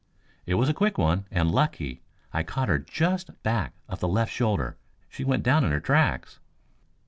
"It was a quick one, and lucky. I caught her just back of the left shoulder. She went down in her tracks."